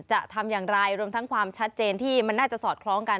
จะทำอย่างไรรวมทั้งความชัดเจนที่มันน่าจะสอดคล้องกัน